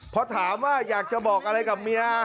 พอถามว่าอยากจะบอกอะไรกับเมีย